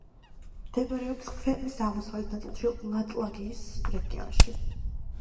მდებარეობს ქვეყნის აღმოსავლეთ ნაწილში, ლატგალიის რეგიონში.